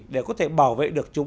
để có thể bảo vệ được chúng